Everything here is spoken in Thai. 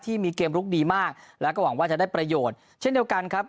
ที่มีเกมลุกดีมากแล้วก็หวังว่าจะได้ประโยชน์เช่นเดียวกันครับ